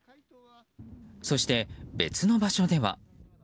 そして、別の場所では。